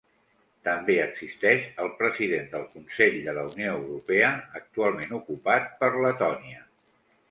També existeix el President del Consell de la Unió Europea, actualment ocupat per Letònia.